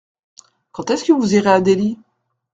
Quand est-ce que vous irez à Delhi ?